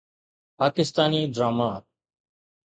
Pakistani drama